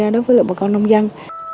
đối với lực bà con nông dân